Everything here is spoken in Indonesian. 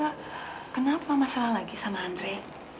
kenapa masalah lagi sama andre